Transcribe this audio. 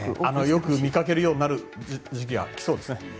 よく見かけるようになる時期が来そうですね。